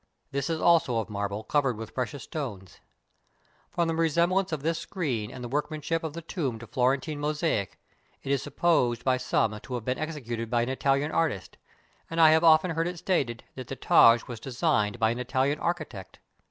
This is also of marble, covered with precious stones. From the 123 INDIA resemblance of this screen and the workmanship of the tomb to Florentine mosaic, it is supposed by some to have been executed by an Italian artist; and I have even heard it stated that the Taj was designed by an Italian architect.